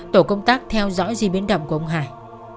tổ công tác theo dõi di biến động của ông hải